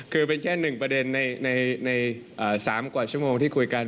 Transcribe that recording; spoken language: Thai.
คือเป็นแค่๑ประเด็นใน๓กว่าชั่วโมงที่คุยกัน